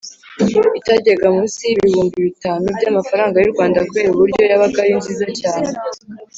itajyaga munsi y ibihumbi bitanu by amafaranga y’ u Rwanda kubera uburyo yabaga ari nziza cyane